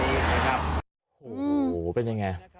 โอ้โหเป็นยังไง